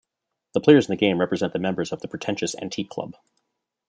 The players in the game represent the members of the pretentious Antique Club.